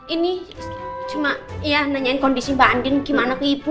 ini cuma ya nanyain kondisi mbak andin gimana ke ibu